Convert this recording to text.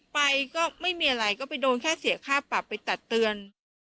ไปก็ไม่มีอะไรก็ไปโดนแค่เสียค่าปรับไปตัดเตือน